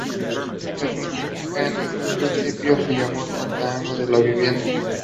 We managed to make this an all party affair.